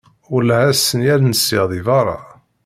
Welleh ass-nni ar nsiɣ deg berra!